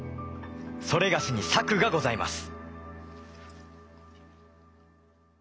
それがしに策がございます。